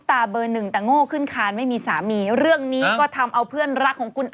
ถ้ามีของเค้านี่ซื้อผัดไทยมาให้กิน